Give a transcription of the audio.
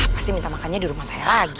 pasti minta makannya di rumah saya lagi